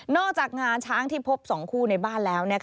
จากงานช้างที่พบ๒คู่ในบ้านแล้ว